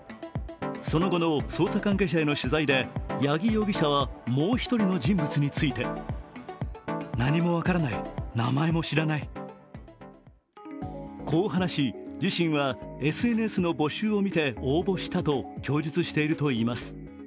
その後の捜査関係者への取材で八木容疑者はもう１人の人物についてこう話し、自身はＳＮＳの募集を見て応募したと供述しているといいます。